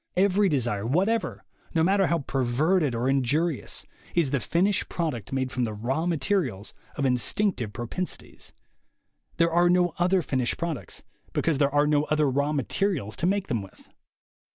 Every desire whatever, no matter how perverted or injurious, is the finished product made from the raw materials of instinctive propensities. 104 THE WAY TO WILL POWER There are no other finished products, because there are no other raw materials to make them with.